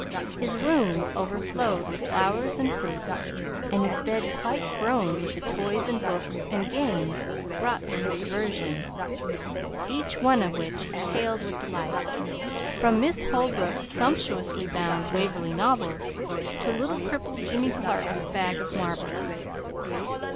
His room overflowed with flowers and fruit, and his bed quite groaned with the toys and books and games brought for his diversion, each one of which he hailed with delight, from Miss Holbrook's sumptuously bound "Waverley Novels" to little crippled Jimmy Clark's bag of marbles.